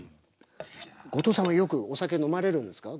後藤さんはよくお酒飲まれるんですか？